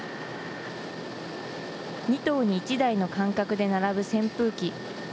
２頭に１台の間隔で並ぶ扇風機。